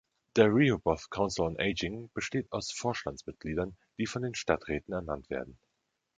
Der „Rehoboth Council on Aging“ besteht aus Vorstandsmitgliedern, die von den Stadträten ernannt werden.